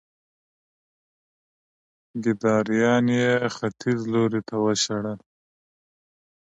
کيداريان يې ختيځ لوري ته وشړل